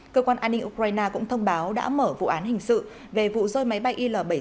cơ quan an ninh ukraine cũng thông báo đã mở vụ án hình sự về vụ rơi máy bay il bảy trăm sáu